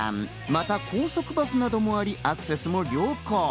また高速バスなどもありアクセスも良好。